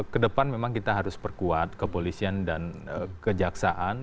kedepan memang kita harus perkuat kepolisian dan kejaksaan